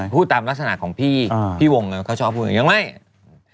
พูดตามลักษณะของพี่พี่วงเขาชอบพูดอย่างนี้ยังไม่